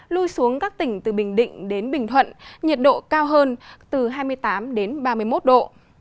lui xuống các tỉnh từ bình định đến bình thuận nhiệt độ cao hơn từ hai mươi tám đến ba mươi một độ